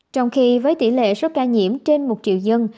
trong khi với tỷ lệ số ca nhiễm trên một triệu dân